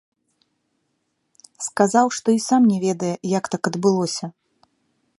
Сказаў, што і сам не ведае, як так адбылося.